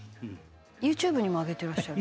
ＹｏｕＴｕｂｅにも上げてらっしゃる？